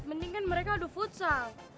mendingan mereka adu futsal